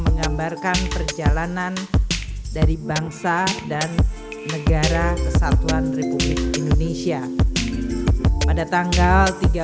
menggambarkan perjalanan dari bangsa dan negara kesatuan republik indonesia pada tanggal